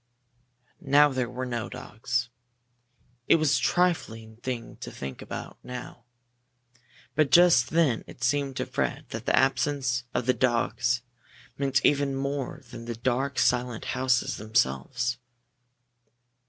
Now there were no dogs! It was a trifling thing to think of now, but just then it seemed to Fred that the absence of the dogs meant even more than the dark, silent houses themselves.